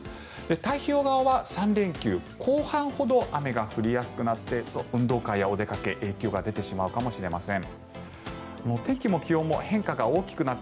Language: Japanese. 太平洋側は３連休後半ほど雨が降りやすくなって運動会やお出かけに、影響が出てしまうかもしれません。